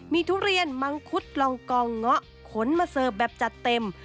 มีทุเรียนมังคุดลองกองเงาะขนมาเสิร์ฟแบบจัดเต็ม